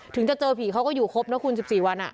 ถึงจะเจอผีเขาก็อยู่ครบเนอะคุณสิบสี่วันอ่ะ